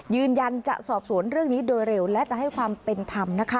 ยืนยันจะสอบสวนเรื่องนี้โดยเร็วและจะให้ความเป็นธรรมนะคะ